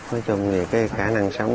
nói chung là cái khả năng sống